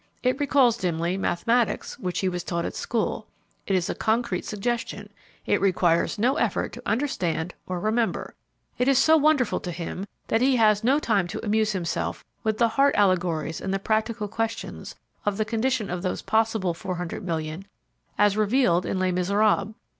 It recalls dimly mathematics which he was taught at school. It is a concrete suggestion; it requires no effort to understand or remember. It is so wonderful to him that he has no time to amuse himself with the heart allegories and the practical questions of the condition of those possible 400,000,000 as revealed in "Les Miserables."